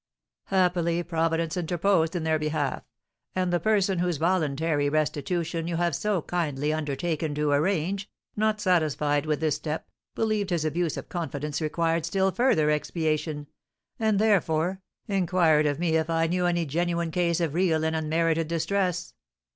Happily Providence interposed in their behalf, and the person whose voluntary restitution you have so kindly undertaken to arrange, not satisfied with this step, believed his abuse of confidence required still further expiation, and, therefore, inquired of me if I knew any genuine case of real and unmerited distress.